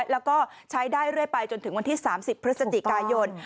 แล้วก็ใช้ได้เรื่อยไปจนถึงวันที่๓๐พฤศจิกายน